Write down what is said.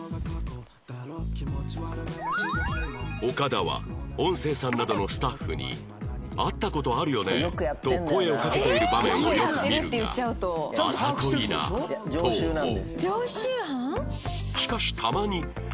岡田は音声さんなどのスタッフに「会った事あるよね？」と声をかけている場面をよく見るがあざといなと思う